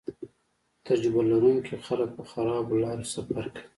تجربه لرونکي خلک په خرابو لارو سفر کوي